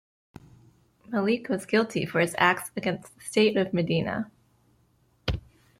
Malik was guilty for his acts against the state of Medina.